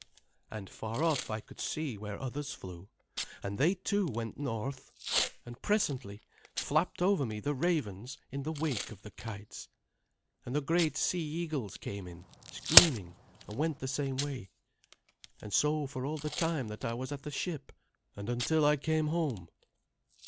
And far off I could see where others flew, and they too went north. And presently flapped over me the ravens in the wake of the kites, and the great sea eagles came in screaming and went the same way, and so for all the time that I was at the ship, and until I came home."